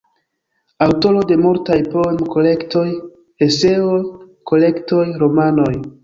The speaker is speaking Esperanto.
Aŭtoro de multaj poem-kolektoj, eseo-kolektoj, romanoj.